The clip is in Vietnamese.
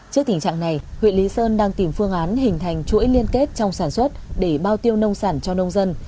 trước tình trạng này huyện lý sơn đang tìm phương án hình thành chuỗi liên kết trong sản xuất để bao tiêu nông sản cho nông dân